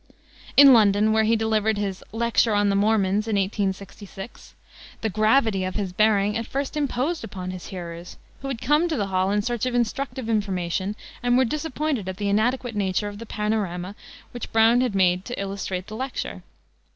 In London, where he delivered his Lecture on the Mormons, in 1866, the gravity of his bearing at first imposed upon his hearers, who had come to the hall in search of instructive information and were disappointed at the inadequate nature of the panorama which Browne had had made to illustrate his lecture.